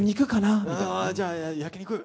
じゃあ、焼き肉。